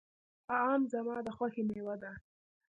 آم زما د خوښې مېوه ده.